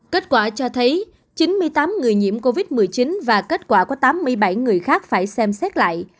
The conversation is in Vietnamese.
kết quả cho thấy chín mươi tám người nhiễm covid một mươi chín và kết quả có tám mươi bảy người khác phải xem xét lại